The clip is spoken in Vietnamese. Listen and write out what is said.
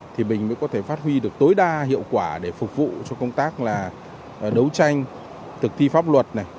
thì mình mới có thể phát huy được tối đa hiệu quả để phục vụ cho công tác là đấu tranh thực thi pháp luật này